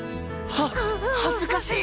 は恥ずかしい！